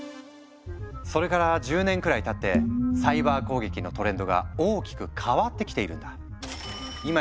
それから１０年くらいたってサイバー攻撃のトレンドが大きく変わってきているんだ。